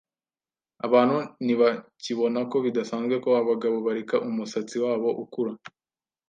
Abantu ntibakibona ko bidasanzwe ko abagabo bareka umusatsi wabo ukura.